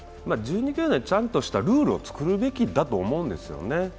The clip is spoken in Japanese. １２球団でちゃんとしたルールを作るべきだと思うんですよね。